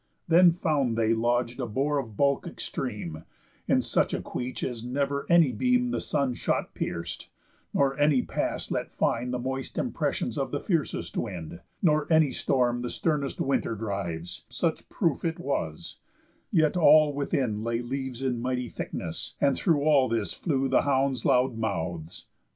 Then found they lodg'd a boar of bulk extreme, In such a queach as never any beam The sun shot pierc'd, nor any pass let find The moist impressions of the fiercest wind, Nor any storm the sternest winter drives, Such proof it was; yet all within lay leaves In mighty thickness; and through all this flew The hounds' loud mouths.